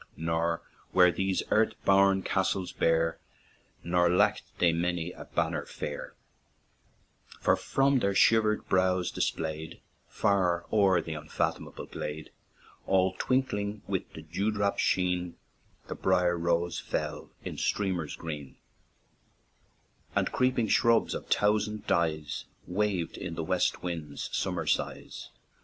Nor were these earth born castles bare, Nor lacked they many a banner fair ; For, from their shivered brows displayed, Far o'er the unfathomable glade, All twinkling with the dew drop sheen, The brier rose fell in streamers green; And creeping shrubs, of thousand dyes, Waved in the west wind's summer sighs.